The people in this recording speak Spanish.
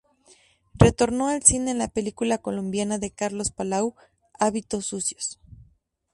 Retornó al cine en la película colombiana de Carlos Palau "Hábitos sucios".